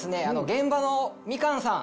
現場のみかんさん。